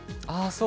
ああ